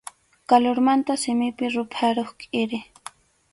Kalurmanta simipi ruphakuq kʼiri.